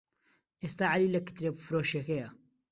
ئێستا عەلی لە کتێبفرۆشییەکەیە.